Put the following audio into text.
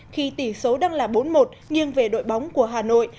khi tỷ số đang là bốn một nghiêng về đội bóng của hà nội